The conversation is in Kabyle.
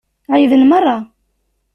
Ɛeyyḍen meṛṛa.